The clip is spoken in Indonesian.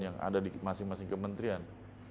yang ada di masing masing kementerian